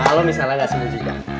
kalau misalnya gak semudah juga